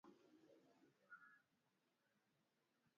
Nitakase sijafa.